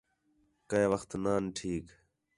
کَئے وخت نان ٹھیک